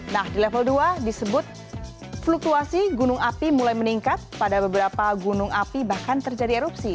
nah di level dua disebut fluktuasi gunung api mulai meningkat pada beberapa gunung api bahkan terjadi erupsi